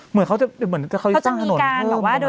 เหมือนเขาจะสร้างถนนเพิ่ม